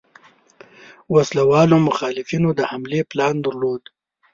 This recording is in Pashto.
وسله والو مخالفینو د حملې پلان درلود.